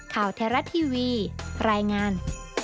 ข่าวเทราะห์ทีวีรายงาน